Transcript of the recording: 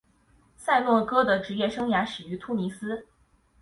萨诺戈的职业生涯始于突尼斯。